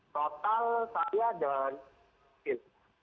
total saya dan wildan